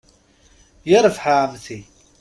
Yarbaḥ a Ɛemti.